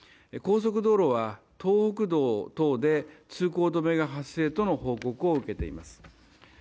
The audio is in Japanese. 高速道路は東北道等で通行止めが発生との報告を受けています。